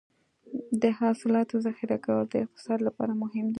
د حاصلاتو ذخیره کول د اقتصاد لپاره مهم دي.